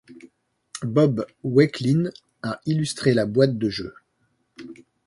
Bob Wakelin a illustré la boîte de jeu.